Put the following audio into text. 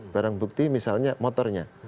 barang bukti misalnya motornya